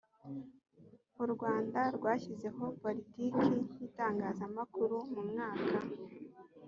u rwanda rwashyizeho politiki y itangazamakuru mu mwaka